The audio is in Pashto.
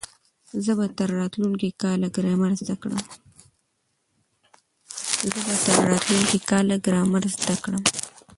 زه به تر راتلونکي کاله ګرامر زده کړم.